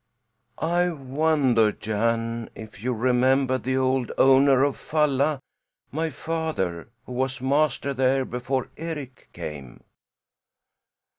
"I wonder, Jan, if you remember the old owner of Falla, my father, who was master there before Eric came?"